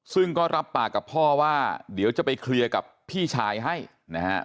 ซึ่งก็รับปากกับพ่อว่าเดี๋ยวจะไปเคลียร์กับพี่ชายให้นะฮะ